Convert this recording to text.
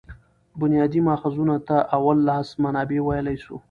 بنیادي ماخذونو ته اول لاس منابع ویلای سو.